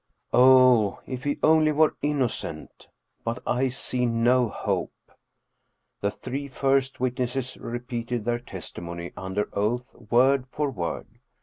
Oh, if he only were innocent, but I see no hope ! The three first witnesses repeated their testimony under oath, word for word.